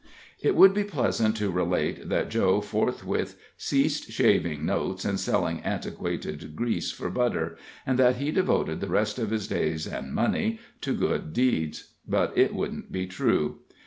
It would be pleasant to relate that Joe forthwith ceased shaving notes and selling antiquated grease for butter, and that he devoted the rest of his days and money to good deeds, but it wouldn't be true.